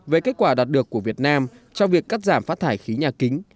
về kết quả đạt được của việt nam trong việc cắt giảm phát thải khí nhà kính